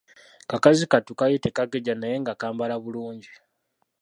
Kakazi kattu kaali tekagejja naye nga kambala bulungi.